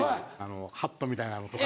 ハットみたいなのとか。